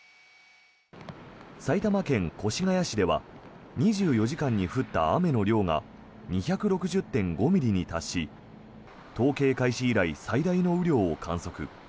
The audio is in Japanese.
埼玉県越谷市では２４時間に降った雨の量が２６０．５ミリに達し統計開始以来最大の雨量を観測。